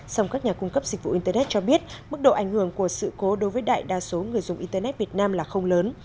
song các nhà cung cấp dịch vụ internet cho biết mức độ ảnh hưởng của sự cố đối với đại đa số người dùng internet việt nam là không lớn